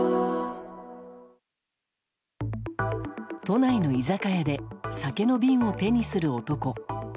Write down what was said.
都内の居酒屋で酒の瓶を手にする男。